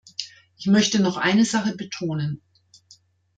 Ich möchte noch eine Sache betonen.